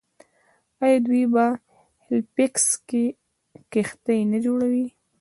آیا دوی په هیلیفیکس کې کښتۍ نه جوړوي؟